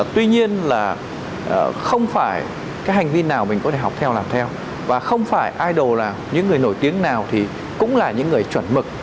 tuy nhiên là không phải cái hành vi nào mình có thể học theo làm theo và không phải idol nào những người nổi tiếng nào thì cũng là những người chuẩn mực